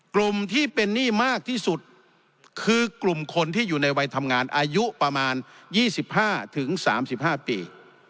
กลุ่มที่เป็นหนี้มากที่สุดคือกลุ่มคนที่อยู่ในวัยทำงานอายุประมาณ๒๕๓๕ปี